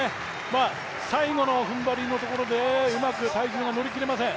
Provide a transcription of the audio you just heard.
最後の踏ん張りのところでうまく体重が乗りきれません。